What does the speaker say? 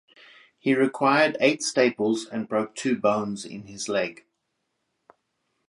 He required eight staples and broke two bones in his leg.